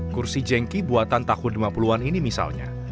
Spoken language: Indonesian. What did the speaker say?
kursi jengki buatan tahun lima puluh an ini misalnya